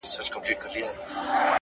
صبر د پخې پرېکړې ملګری دی،